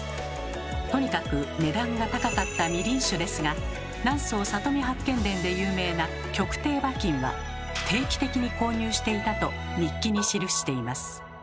とにかく値段が高かったみりん酒ですが「南総里見八犬伝」で有名な曲亭馬琴は定期的に購入していたと日記に記しています。